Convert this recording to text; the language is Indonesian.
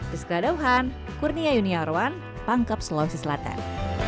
di sekalian kurnia yuniarwan pangkep sulawesi selatan